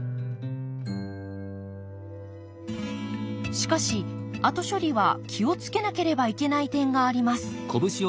しかし後処理は気を付けなければいけない点があります。